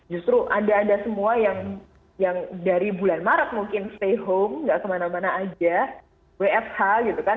justru ada ada semua yang dari bulan maret mungkin stay home nggak kemana mana aja wfh gitu kan